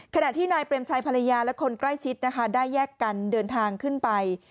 ขณะที่นายเปรมชัยภรรยาและคนใกล้ชิดนะคะได้แยกกันเดินทางขึ้นไป